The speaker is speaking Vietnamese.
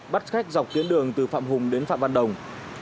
bắt khách dọc tuyến đường từ phạm hùng đến phạm văn đồng